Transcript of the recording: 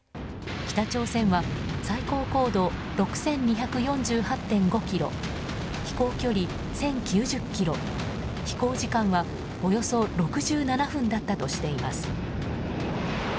北朝鮮は最高高度６２４８．５ｋｍ飛行距離１０９０ｋｍ飛行時間はおよそ６７分だったとしています。